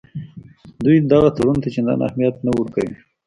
دوی دغه تړون ته چندان اهمیت نه ورکوي.